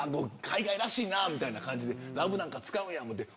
海外らしいなぁみたいな感じで「Ｌｏｖｅ」なんか使うんや！と思うて。